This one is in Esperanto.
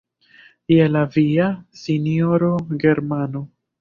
Je la via, sinjoro Germano!